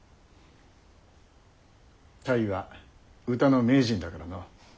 泰は歌の名人だからのう。